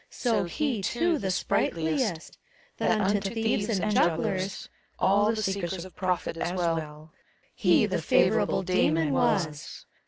So he, too, the sprightliest : That unto thieves and jugglers — All the seekers of profit, as well, — He the favorable Dasmon was.